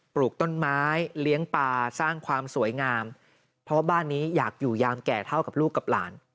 ปลูกต้นไม้เลี้ยงปลาสร้างความสวยงามเพราะว่าบ้านนี้อยากอยู่ยามแก่เท่ากับลูกกับหลาน